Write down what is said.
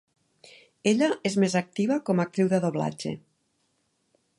Ella és més activa com a actriu de doblatge.